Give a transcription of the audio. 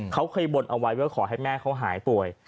เขาเคยบนเอาไว้ว่าขอให้แม่เขาหายป่วย